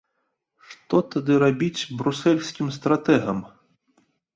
Што тады рабіць брусэльскім стратэгам?